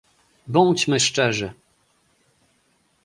Bądźmy szczerzy